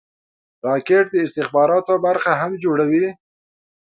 راکټ د استخباراتو برخه هم جوړوي